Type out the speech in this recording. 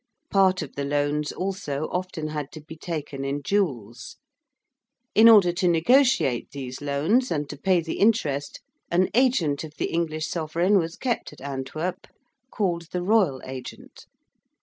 Part of the loans, also, often had to be taken in jewels. In order to negotiate these loans and to pay the interest an agent of the English Sovereign was kept at Antwerp, called the Royal Agent.